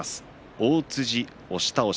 大辻押し倒し